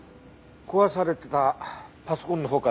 壊されてたパソコンのほうからは何か？